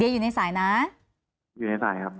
อยู่ในสายครับ